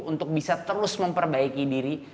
untuk bisa terus memperbaiki diri